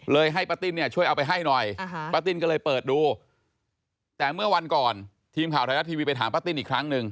ให้ป้าติ้นเนี่ยช่วยเอาไปให้หน่อยป้าติ้นก็เลยเปิดดูแต่เมื่อวันก่อนทีมข่าวไทยรัฐทีวีไปถามป้าติ้นอีกครั้งหนึ่ง